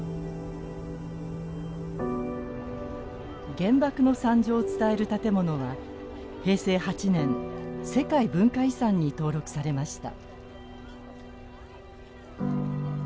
原爆の惨状を伝える建物は平成８年世界文化遺産に登録されました。